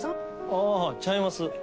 ああちゃいます。